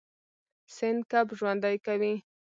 سیند کب ژوندی کوي.